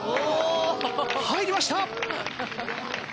入りました！